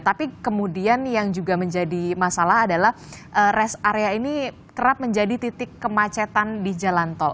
tapi kemudian yang juga menjadi masalah adalah rest area ini kerap menjadi titik kemacetan di jalan tol